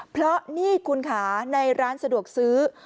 เพราะนี่คุณค่ะในร้านสะดวกซื้อ